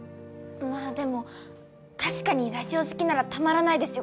まあでも確かにラジオ好きならたまらないですよ